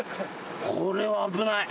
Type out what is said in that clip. これは危ない。